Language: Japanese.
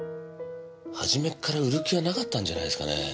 初めっから売る気はなかったんじゃないですかね。